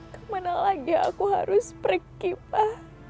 kemana lagi aku harus pergi pak